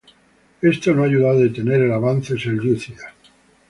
Esto no ayudó a detener el avance selyúcida.